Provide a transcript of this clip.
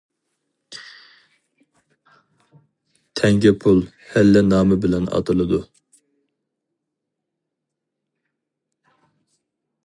تەڭگە پۇل ھەللە نامى بىلەن ئاتىلىدۇ.